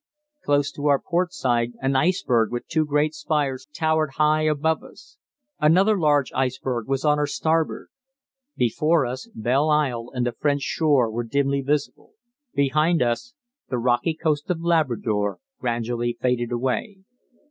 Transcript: Close to our port side an iceberg with two great spires towered high above us; another large iceberg was on our starboard. Before us Belle Isle and the French shore were dimly visible. Behind us the rocky coast of Labrador gradually faded away.